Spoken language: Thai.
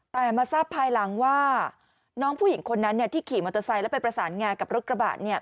แต่มาทราบภายหลังว่าน้องผู้หญิงคนนั้นที่ขี่มอเตอร์ไซค์แล้วไปประสานงากับรถกระบะ